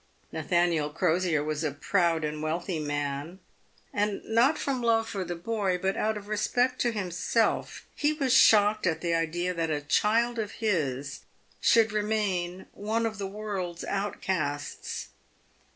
Nathaniel Crosier was a proud and wealthy man, and not from love for the boy, but out of respect to himself, he was shocked at the idea that a child of his should remain one of the world's outcasts.